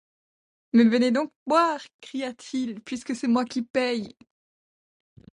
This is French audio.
Mais venez donc boire, cria-t-il, puisque c’est moi qui paye !